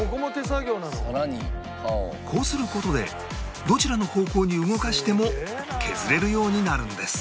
こうする事でどちらの方向に動かしても削れるようになるんです